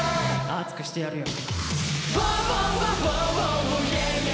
熱くしてやるよ。